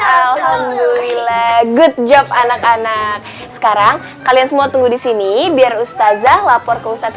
alhamdulillah good job anak anak sekarang kalian semua tunggu di sini biar ustazah lapor ke ustadz